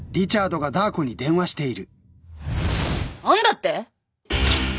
あんだって！？